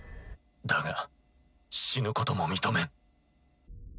だが死ぬことも認めん。